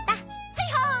はいはい。